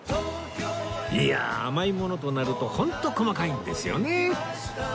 いや甘いものとなるとホント細かいんですよね